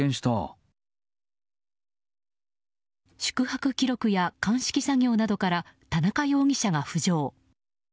宿泊記録や鑑識作業などから田中容疑者が浮上。